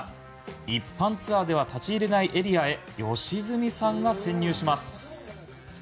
一般ツアーでは立ち入れないエリアへ良純さんが潜入します。